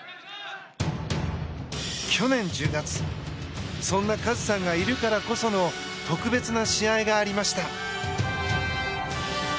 去年１０月そんなカズさんがいるからこその特別な試合がありました。